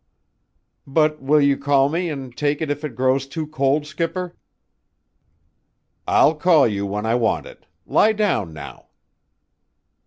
"But will you call me and take it if it grows too cold, skipper?" "I'll call you when I want it lie down now."